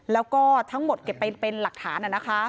แล้วก็ทั้งหมดเก็บไปเป็นหลักฐาน